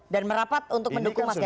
dan merapat untuk mendukung mas ganjar